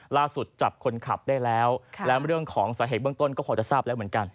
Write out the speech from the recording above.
ล่าสุดจับคนขับได้แล้วแล้วเรื่องของสาเหตุเบื้องต้นก็พอจะทราบแล้วเหมือนกัน